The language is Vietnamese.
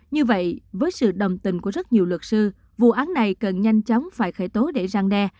như vậy với sự đồng tình của rất nhiều luật sư vụ án này cần nhanh chóng phải khởi tố để răng đe